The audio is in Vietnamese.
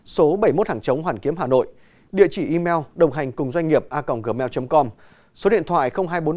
số bảy mươi một hàng chống hoàn kiếm hà nội địa chỉ email đồnghanhcungdoanhnghiệp a gmail com số điện thoại hai trăm bốn mươi ba hai trăm sáu mươi sáu chín nghìn năm trăm linh ba